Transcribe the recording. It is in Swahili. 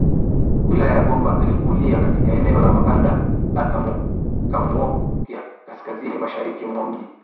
wilaya ya Gomba Alikulia katika eneo la mabanda la Kamwookya kaskazini mashariki mwa mji